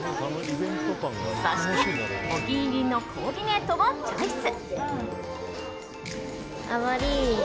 そして、お気に入りのコーディネートをチョイス。